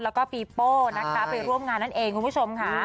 แล้วก็ปีโป้นะคะไปร่วมงานนั่นเองคุณผู้ชมค่ะ